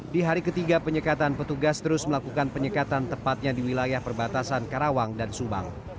di hari ketiga penyekatan petugas terus melakukan penyekatan tepatnya di wilayah perbatasan karawang dan subang